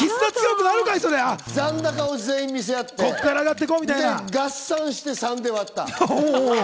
残高を全員見せ合って合算して３で割った。